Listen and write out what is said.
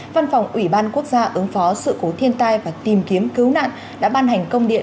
văn phòng ủy ban quốc gia ứng phó sự cố thiên tai và tìm kiếm cứu nạn đã ban hành công điện